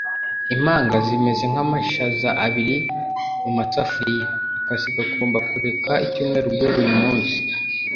Impanga zimeze nkamashaza abiri mumasafuriya. Akazi kagomba kureka icyumweru guhera uyu munsi.